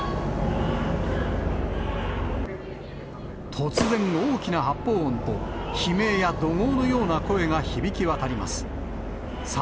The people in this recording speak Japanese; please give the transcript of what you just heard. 突然、大きな発砲音と、悲鳴や怒号のような声が響き渡ります。